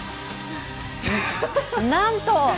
なんと！